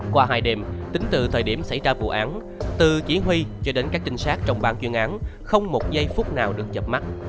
qua hai đêm tính từ thời điểm xảy ra vụ án từ chỉ huy cho đến các trinh sát trong bàn chuyên án không một giây phút nào được dập mắt